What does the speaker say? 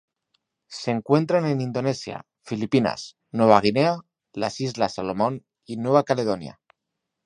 Se encuentran en Indonesia, Filipinas, Nueva Guinea, las Islas Salomón y Nueva Caledonia.